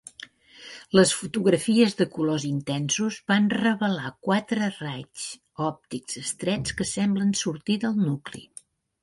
Les fotografies de colors intensos van revelar quatre raigs òptics estrets que semblen sortir del nucli.